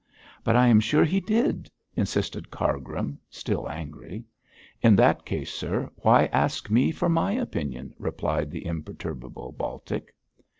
'But I am sure he did,' insisted Cargrim, still angry. 'In that case, sir, why ask me for my opinion?' replied the imperturbable Baltic.